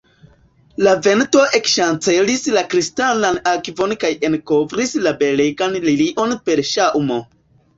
La vento ekŝancelis la kristalan akvon kaj enkovris la belegan lilion per ŝaŭmo.